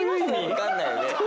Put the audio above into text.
わかんないよね。